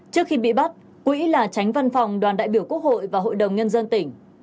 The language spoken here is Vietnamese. trước khi bị bắt quỹ là tránh văn phòng đoàn đại biểu quốc hội và hội đồng nhân dân tỉnh